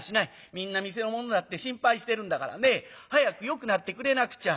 みんな店の者だって心配してるんだからね早くよくなってくれなくちゃ。